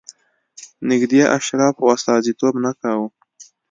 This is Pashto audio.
نږدې اشرافو استازیتوب نه کاوه.